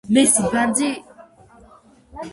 messi bandzi ronaldo gandzi